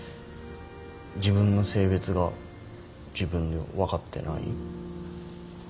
自分の性別が自分で分かってない。